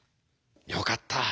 よかった。